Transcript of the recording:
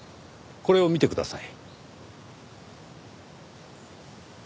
これを見てください。